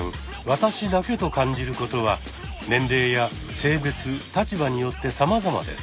私だけと感じることは年齢や性別立場によってさまざまです。